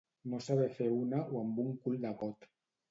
No saber fer una o amb un cul de got.